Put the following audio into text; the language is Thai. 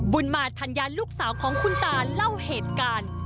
บุญมาธัญญาลูกสาวของคุณตาเล่าเหตุการณ์